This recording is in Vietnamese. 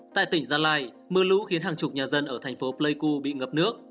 tại tỉnh gia lai mưa lũ khiến hàng chục nhà dân ở thành phố pleiku bị ngập nước